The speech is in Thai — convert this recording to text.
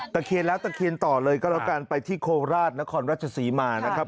เคียนแล้วตะเคียนต่อเลยก็แล้วกันไปที่โคราชนครราชศรีมานะครับ